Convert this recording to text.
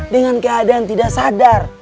dengan keadaan tidak sadar